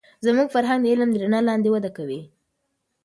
زموږ فرهنگ د علم د رڼا لاندې وده کوي.